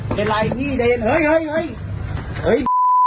เป็นไรพี่เดนเฮ้ย